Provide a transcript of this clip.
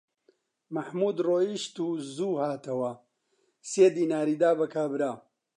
مەحموود ڕۆیشت و زوو هاتەوە، سێ دیناری دا بە کابرا